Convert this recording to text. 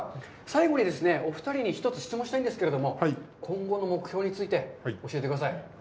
最後にですね、お二人に一つ、質問をしたいんですけど、今後の目標について教えてください。